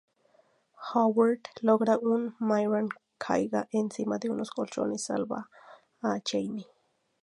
Howard logra que Myron caiga encima de unos colchones y salva a Jamie.